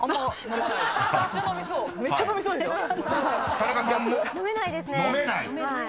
飲めないですね。